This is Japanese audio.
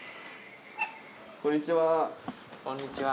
こんにちは。